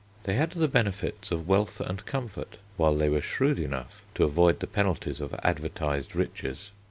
They had the benefits of wealth and comfort, while they were shrewd enough to avoid the penalties of advertised riches.